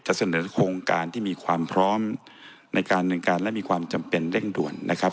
เสนอโครงการที่มีความพร้อมในการดำเนินการและมีความจำเป็นเร่งด่วนนะครับ